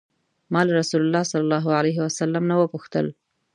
ما له رسول الله صلی الله علیه وسلم نه وپوښتل.